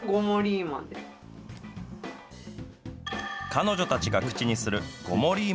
彼女たちが口にするごもりー